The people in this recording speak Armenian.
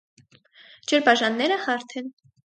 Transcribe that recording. Ջրբաժանները հարթ են։